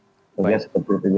jadi dia seperti itu